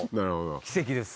奇跡です。